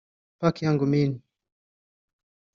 Park Yong-Min